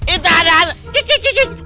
itu ada hantu